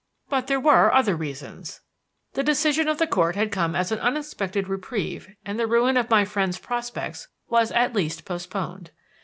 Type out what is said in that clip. But there were other reasons. The decision of the Court had come as an unexpected reprieve and the ruin of my friends' prospects was at least postponed.